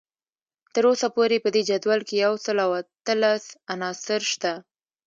تر اوسه پورې په دې جدول کې یو سل او اتلس عناصر شته